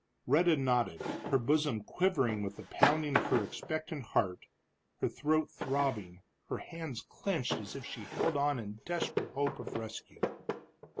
Rhetta nodded, her bosom quivering with the pounding of her expectant heart, her throat throbbing, her hands clenched as if she held on in desperate hope of rescue.